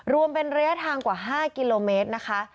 รวมเป็นระยะทางกว่า๕กิโลเมตรนะคะ